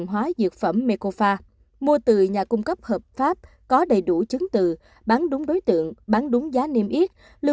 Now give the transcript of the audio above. hoặc tại cơ sở y tế